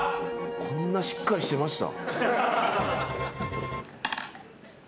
こんなしっかりしてました？